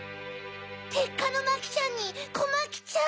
てっかのマキちゃんにコマキちゃん！